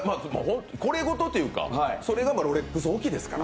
これごとというか、それがロレックス置きですから。